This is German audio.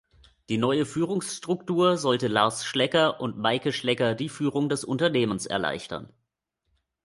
Die neue Führungsstruktur sollte Lars Schlecker und Meike Schlecker die Führung des Unternehmens erleichtern.